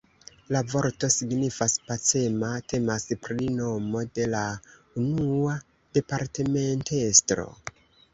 La vorto signifas pacema, temas pri nomo de la unua departementestro.